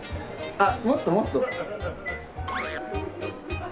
あっもっともっと。